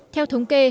theo thống kê